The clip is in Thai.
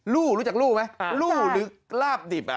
รู้จักรูไหมรูหรือลาบดิบ